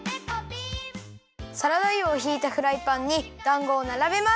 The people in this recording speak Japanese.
サラダ油をひいたフライパンにだんごをならべます。